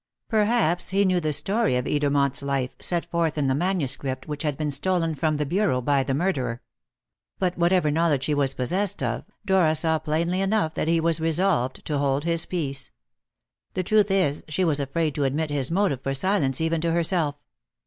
Perhaps he knew the story of Edermont's life, set forth in the manuscript which had been stolen from the bureau by the murderer. But whatever knowledge he was possessed of, Dora saw plainly enough that he was resolved to hold his peace. The truth is, she was afraid to admit his motive for silence even to herself.